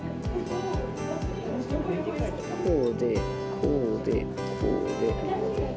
こうで、こうで、こうで。